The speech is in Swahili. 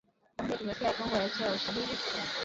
Jamhuri ya kidemokrasia ya Kongo yatoa ‘ushahidi’.